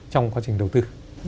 trong quá trình đầu tư